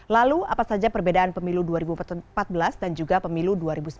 lalu apa saja perbedaan pemilu dua ribu empat belas dan juga pemilu dua ribu sembilan belas